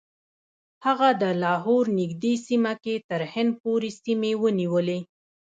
هغه د لاهور نږدې سیمه کې تر هند پورې سیمې ونیولې.